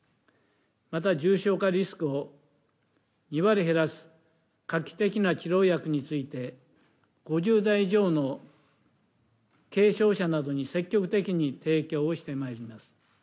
また、重症化リスクを２割減らす画期的な治療薬について、５０代以上の軽症者などに積極的に提供をしてまいります。